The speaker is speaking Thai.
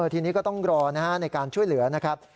ทีนี้ก็ต้องรอในการช่วยเหลือนะครับ